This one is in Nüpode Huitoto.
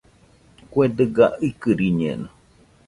Kue dɨga ikɨriñeno.